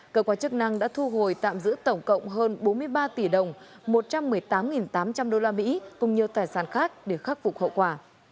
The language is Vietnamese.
cơ quan chức năng đã thu hồi tạm giữ tổng cộng hơn bốn mươi ba tỷ đồng một trăm một mươi tám tám trăm linh usd cùng nhiều tài sản khác để khắc phục hậu quả